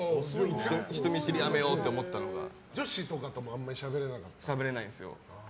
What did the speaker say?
人見知りをやめようって女子とかともしゃべれないんですよ。